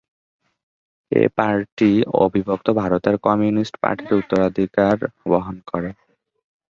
এ party অবিভক্ত ভারতের communist পার্টির উত্তরাধিকার বহন করে।